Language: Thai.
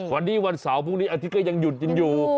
วันนี้วันเสาร์พรุ่งนี้อาทิตย์ก็ยังหยุดยืนอยู่